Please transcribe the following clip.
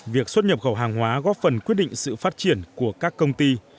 việc xuất nhập khẩu hàng hóa góp phần quyết định sự phát triển của các công ty